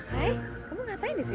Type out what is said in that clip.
hai kamu ngapain disini